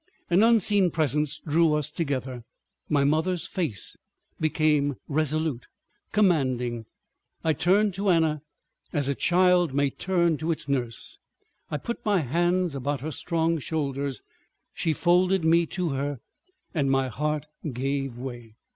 An unseen presence drew us together. My mother's face became resolute, commanding. I turned to Anna as a child may turn to its nurse. I put my hands about her strong shoulders, she folded me to her, and my heart gave way.